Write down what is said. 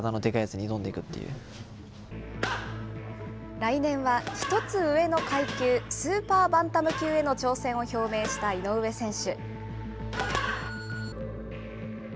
来年は、１つ上の階級、スーパーバンタム級への挑戦を表明した井上選手。